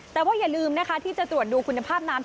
แต่ว่าอย่าลืมนะคะที่จะตรวจดูคุณภาพน้ำ